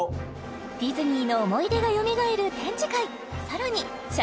ディズニーの思い出がよみがえる展示会